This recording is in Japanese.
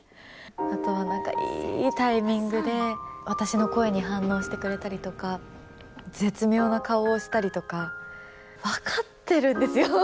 あとは何かいいタイミングで私の声に反応してくれたりとか絶妙な顔をしたりとか分かってるんですよ。